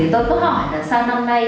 tôi có hỏi là sao năm nay